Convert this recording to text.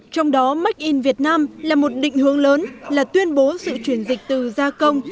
trong đó make in việt nam là một định hướng lớn là tuyên bố sự chuyển dịch từ gia công